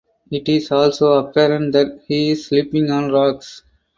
It is also apparent that he is sleeping on rocks.